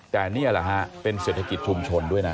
แต่นี่แหละฮะเป็นเศรษฐกิจชุมชนด้วยนะ